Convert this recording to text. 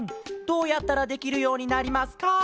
どうやったらできるようになりますか？」。